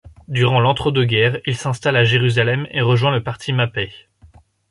Durant l'entre-deux-guerres, il s'installe à Jérusalem et rejoint le parti Mapai.